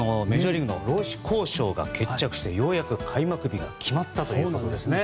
メジャーリーグの労使交渉が決着して、ようやく開幕日が決まったということです。